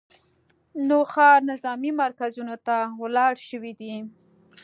نوښار نظامي مرکزونو ته وړل شوي دي